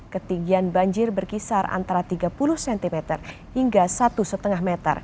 ketinggian banjir berkisar antara tiga puluh cm hingga satu lima meter